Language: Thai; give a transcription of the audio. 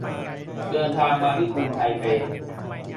เดินทางมาที่กรุงไทเป